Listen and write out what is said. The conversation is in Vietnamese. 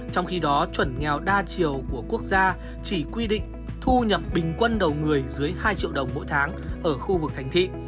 trong khi đó chuẩn nghèo đa chiều của quốc gia chỉ quy định thu nhập bình quân đầu người dưới hai triệu đồng mỗi tháng ở khu vực thành thị